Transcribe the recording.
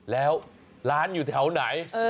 แล้วร้านอยู่แถวไหน